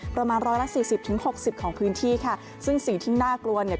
ประมาณร้อยละสี่สิบถึงหกสิบของพื้นที่ค่ะซึ่งสิ่งที่น่ากลัวเนี่ย